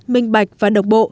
minh bạch và độc bộ